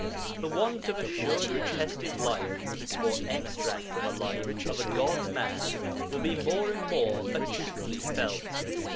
The want of a surely attested life, or extract from a life, of a God man will be more and more acutely felt.